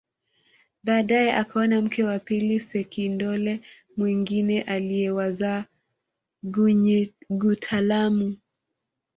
Baadae akaoa mke wa pili sekindole mwingine aliyewazaa Gunyigutalamu